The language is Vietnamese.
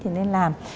thì nên làm